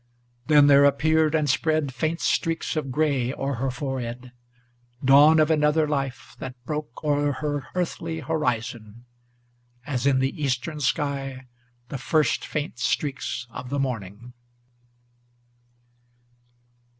Then there appeared and spread faint streaks of gray o'er her forehead, Dawn of another life, that broke o'er her earthly horizon, As in the eastern sky the first faint streaks of the morning.